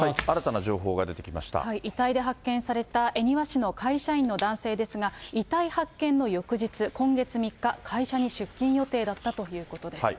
遺体で発見された恵庭市の会社員の男性ですが、遺体発見の翌日、今月３日、会社に出勤予定だったということです。